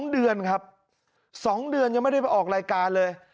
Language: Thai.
๒เดือนครับ๒เดือนยังไม่ได้ไปออกรายการเลย